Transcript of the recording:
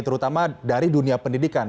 terutama dari dunia pendidikan